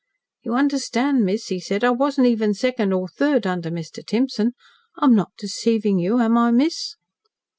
"You understand, miss," he said. "I wasn't even second or third under Mr. Timson. I'm not deceiving you, am I, miss?"